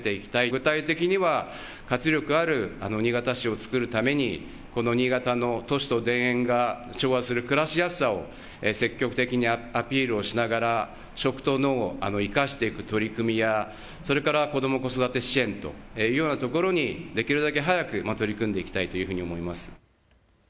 具体的には活力ある新潟市をつくるためにこの新潟の都市と田園が調和する暮らしやすさを積極的にアピールをしながら食と農を生かしていく取り組みやそれから子ども子育て支援というようなところにできるだけ早く取り組んでいきたいというふうに思います。